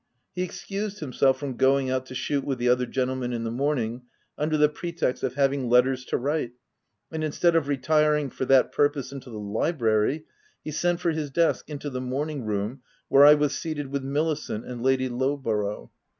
He excused himself from going out to shoot with the other gentlemen in the morning, under the pretext of having letters to write ; and instead of retiring for that purpose into the library, he sent for his desk into the morning room where I was seated with Milicent and Lady Lowborough.